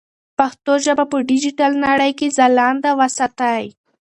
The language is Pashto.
پښتو ژبه په ډیجیټل نړۍ کې ځلانده وساتئ.